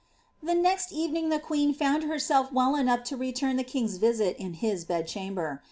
The next evening the queen found herself well enough to return the king^s visit in his bedchamber.